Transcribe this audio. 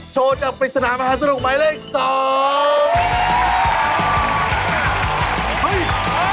โชว์จากปริศนามหาสนุกหมายเลขสอง